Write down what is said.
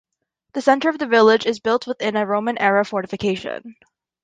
The center of the village is built within a Roman era fortification.